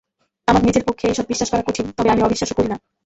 আমার নিজের পক্ষে এইসব বিশ্বাস করা কঠিন, তবে আমি অবিশ্বাসও করি না।